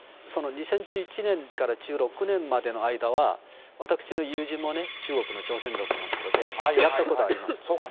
２０１１年から１６年までの間は、私の友人もね、中国の朝鮮族の人で、やったことあります。